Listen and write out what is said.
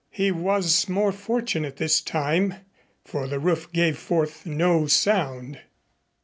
He was more fortunate this time for the roof gave forth no sound.